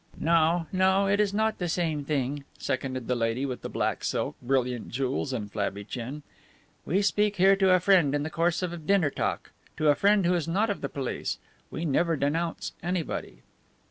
"No, no, it is not the same thing," seconded the lady with the black silk, brilliant jewels and flabby chin. "We speak here to a friend in the course of dinner talk, to a friend who is not of the police. We never denounce anybody."